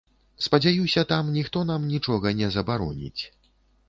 Спадзяюся, там ніхто нам нічога не забароніць.